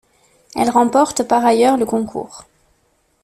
Elle remporte par ailleurs le concours.